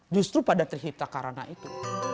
justru pada terhita karena itu